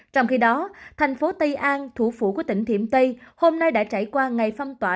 trong khi đó thành phố tây an thủ phủ của tỉnh thiểm tây hôm nay đã trải qua ngày phong tỏa